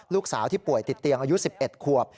ลูกสาวที่ป่วยติดเตียงอายุ๑๑ขวบ